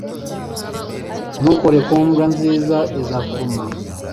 Ntukore ku mbwa nziza izakuruma